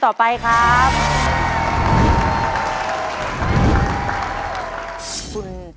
ตัวเลือกที่สอง๘คน